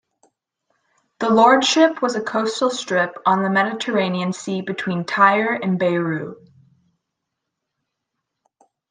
The lordship was a coastal strip on the Mediterranean Sea between Tyre and Beirut.